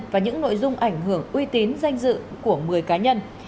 và những nội dung ảnh hưởng uy tín danh dự của người cá nhân